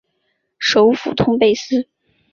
首府通贝斯。